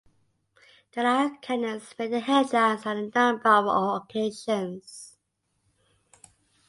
Della Cannings made the headlines on a number of occasions.